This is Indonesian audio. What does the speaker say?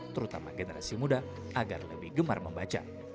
terutama generasi muda agar lebih gemar membaca